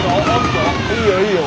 いいよいいよ。